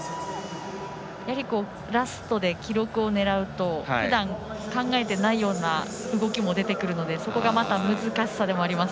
やはり、ラストで記録を狙うとふだん、考えてないような動きも出てくるので、そこがまた難しさでもあります。